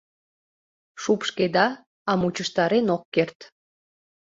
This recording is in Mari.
Шупшкеда, а мучыштарен ок керт.